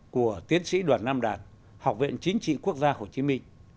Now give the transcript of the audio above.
của tiến sĩ đoàn nam đạt học viện chính trị quốc gia hồ chí minh